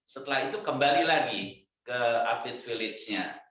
setelah itu kembali lagi ke atlet village nya